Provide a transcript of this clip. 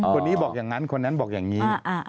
คนนี้บอกอย่างนั้นคนนั้นบอกอย่างนี้